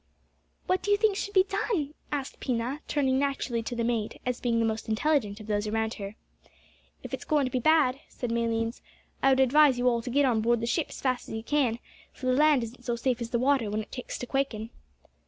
"What do you think should be done?" asked Pina, turning naturally to the mate, as being the most intelligent of those around her. "If it's goin' to be bad," said Malines, "I would advise you all to git on board the ship as fast as ye can, for the land isn't so safe as the water when it takes to quakin'."